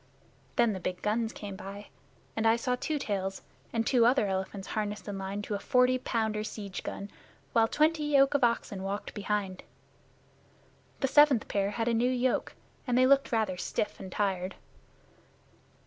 Then the big guns came by, and I saw Two Tails and two other elephants harnessed in line to a forty pounder siege gun, while twenty yoke of oxen walked behind. The seventh pair had a new yoke, and they looked rather stiff and tired.